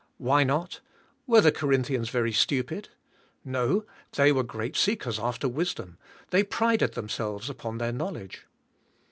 Why not? Were the Corinthians very stupid? No, they were great seekers after wisdom, they prided themselves upon their knowledge.